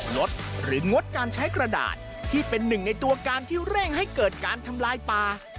ลดหรืองดการใช้กระดาษที่เป็นหนึ่งในตัวการที่เร่งให้เกิดการทำลายป่า